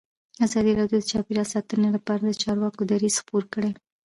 ازادي راډیو د چاپیریال ساتنه لپاره د چارواکو دریځ خپور کړی.